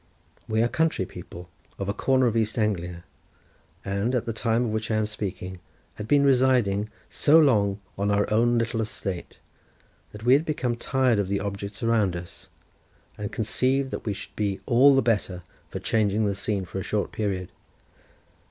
We are country people of a corner of East Anglia, and, at the time of which I am speaking, had been residing so long on our own little estate, that we had become tired of the objects around us, and conceived that we should be all the better for changing the scene for a short period.